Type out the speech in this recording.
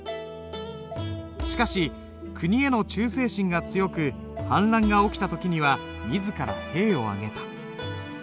しかし国への忠誠心が強く反乱が起きた時には自ら兵を挙げた。